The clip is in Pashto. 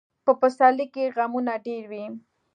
په پسرلي کې غمونه ډېر وي.